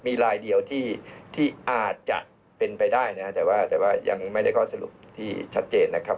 มีลายเดียวที่อาจจะเป็นไปได้นะครับแต่ว่ายังไม่ได้ข้อสรุปที่ชัดเจนนะครับ